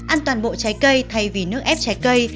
ăn toàn bộ trái cây thay vì nước ép trái cây